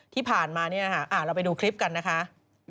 ที่ผ่านมาเนี่ยค่ะเราไปดูคลิปกันนะคะ